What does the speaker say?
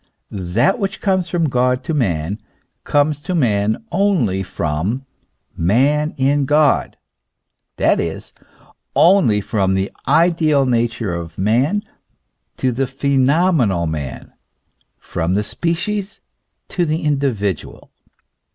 That which comes from God to man, comes to man only from man in God, that is, only from the ideal nature of man to the phenomenal man, from the species to the individual.